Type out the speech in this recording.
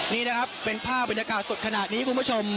นี่นะครับเป็นภาพบรรยากาศสดขนาดนี้คุณผู้ชม